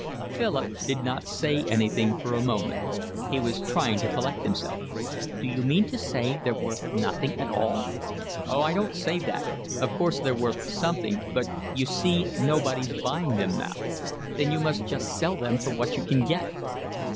Philip did not say anything for a moment. He was trying to collect himself. "D'you mean to say they're worth nothing at all?" "Oh, I don't say that. Of course they're worth something, but you see, nobody's buying them now." "Then you must just sell them for what you can get."